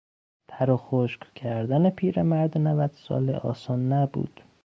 تر و خشک کردن پیر مرد نود ساله آسان نبود.